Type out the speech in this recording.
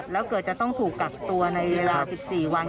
แล้วเกิดจะต้องถูกกักตัวในเวลา๑๔วัน